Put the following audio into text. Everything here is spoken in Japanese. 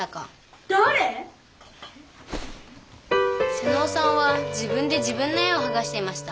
妹尾さんは自分で自分の絵をはがしていました。